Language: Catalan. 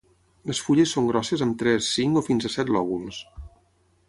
Les fulles són grosses amb tres, cinc o fins a set lòbuls.